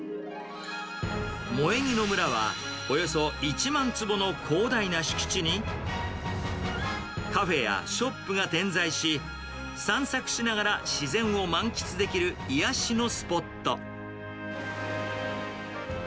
萌木の村はおよそ１万坪の広大な敷地に、カフェやショップが点在し、散策しながら自然を満喫できる癒やしのスポット。